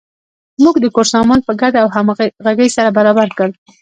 موږ د کور سامان په ګډه او همغږۍ سره برابر کړ.